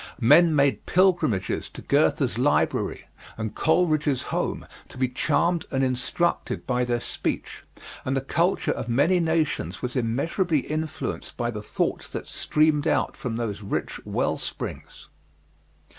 Men made pilgrimages to Goethe's library and Coleridge's home to be charmed and instructed by their speech, and the culture of many nations was immeasurably influenced by the thoughts that streamed out from those rich well springs.